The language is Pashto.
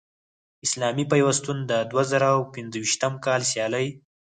اسلامي پیوستون د دوه زره پنځویشتم کال سیالۍ